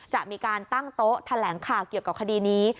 จะมีการตั้งโต๊ะแถลงข่าวเกี่ยวกับคดีนี้